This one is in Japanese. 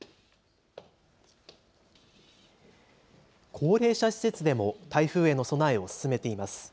高齢者施設でも台風への備えを進めています。